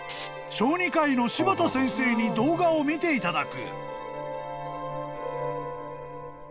［小児科医の柴田先生に動画を見ていただく］